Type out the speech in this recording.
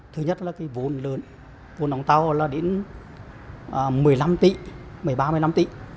thứ nhất là cái vốn lớn vốn đóng tàu là đến một mươi năm tỷ một mươi ba một mươi năm tỷ